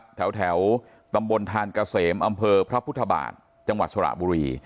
จุดนู่นนะครับแถวตำบลทานกาเสมอำเภอพระพุทธบาทจังหวัดสวรรคบุรี